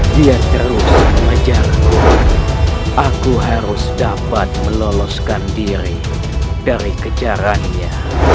dia terus mengejarku aku harus dapat meloloskan diri dari kejarannya